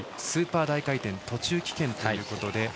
スーパー大回転は途中棄権ということで。